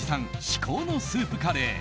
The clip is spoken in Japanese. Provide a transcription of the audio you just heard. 至高のスープカレー。